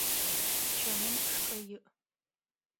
Чэмым шкӏэ иӏ.